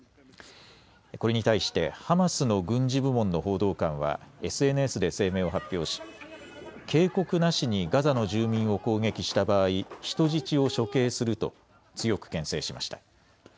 これに対してハマスの軍事部門の報道官はＳＮＳで声明を発表し警告なしにガザの住民を攻撃した場合、人質を処刑すると強くけん制しました。